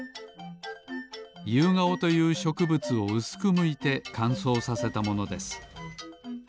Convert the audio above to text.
ゆうがおというしょくぶつをうすくむいてかんそうさせたものです。